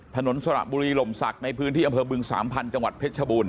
สระบุรีลมศักดิ์ในพื้นที่อำเภอบึงสามพันธุ์จังหวัดเพชรชบูร